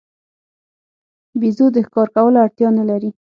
بیزو د ښکار کولو اړتیا نه لري.